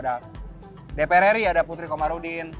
ada dprri ada putri komarudin